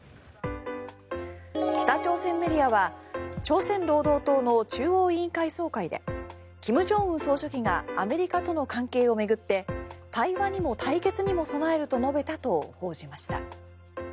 北朝鮮メディアは朝鮮労働党の中央委員会総会で金正恩総書記がアメリカとの関係を巡って対話にも対決にも備えると述べたと報じました。